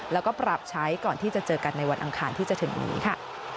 แล้วก็ปรับใช้ก่อนที่จะเจอกันในวันอังคารที่จะถึงนี้ค่ะ